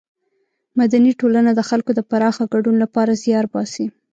مدني ټولنه د خلکو د پراخه ګډون له پاره زیار باسي.